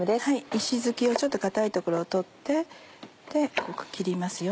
石づきをちょっと硬い所を取って切りますよ。